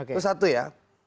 itu satu ya